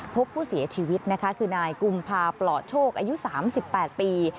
พบผู้เสียชีวิตนะคะคือนายกุมภาปลอดโชคอายุ๓๘ปี